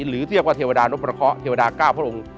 หรือที่เรียกว่าเทวดาโนปราเคาะเทวดาเก้าพระองค์